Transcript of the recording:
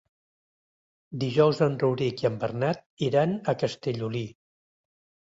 Dijous en Rauric i en Bernat iran a Castellolí.